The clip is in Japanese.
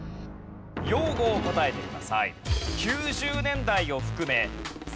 用語を答えてください。